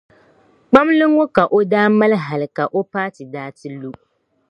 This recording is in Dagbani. kpamli ŋɔ ka o daa mali hali ka o paati daa ti lu.